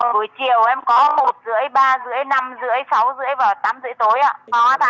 bữa chiều em có một rưỡi ba rưỡi năm rưỡi sáu rưỡi và tám rưỡi tối ạ